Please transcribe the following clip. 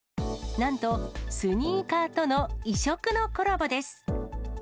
なんと、スニーカーとの異色のコラボです。